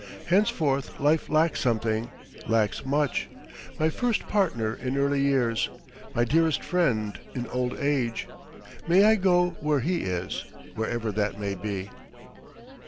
Henceforth life lacks something, lacks much my first partner in early years, my dearest friend in old age. May I go where he is, wherever that may be.